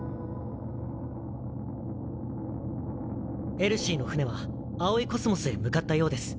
エルシーの船は葵宇宙へ向かったようです。